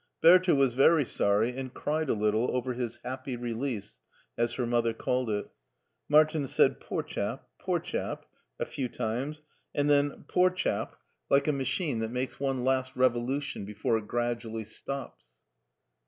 Bertha was very sorry, and cried a little over his " happy release," as her mother called it. Martin said, " Poor chap ! poor chap 1 " a few times, and then " Poor chap 1 " like a 75 76 MARTIN SCHULER machine that makes one last revolution before it grad ually stops.